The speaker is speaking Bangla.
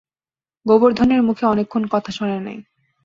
গোবর্ধনের মুখে অনেকক্ষণ কথা সরে নাই।